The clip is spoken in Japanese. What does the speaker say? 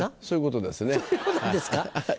そういうことですか。